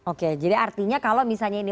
oke jadi artinya kalau misalnya ini